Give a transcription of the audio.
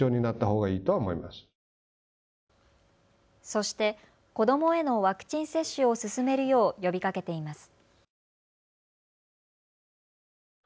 そして子どもへのワクチン接種を進めるよう呼びかけています。